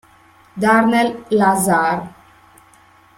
Darnell Lazare